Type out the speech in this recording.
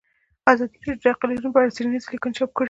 ازادي راډیو د اقلیتونه په اړه څېړنیزې لیکنې چاپ کړي.